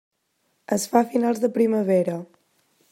Es fa a finals de primavera.